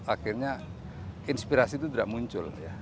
akhirnya inspirasi itu tidak muncul